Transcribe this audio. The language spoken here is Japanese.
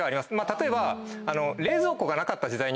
例えば。